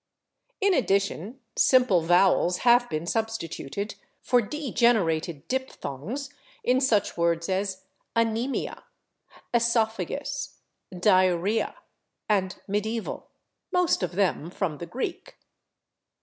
In addition, simple vowels have been substituted for degenerated diphthongs in such words as /anaemia/, [Pg246] /oesophagus/, /diarrhoea/ and /mediaeval/, most of them from the Greek.